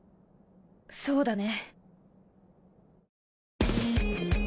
そうだね。